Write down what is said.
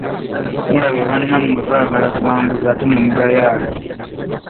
Mulaba bannammwe baagala buwanguzi ate ne mugayaala?